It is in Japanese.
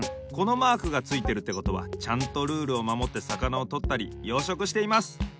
このマークがついてるってことはちゃんとルールをまもってさかなをとったり養殖しています。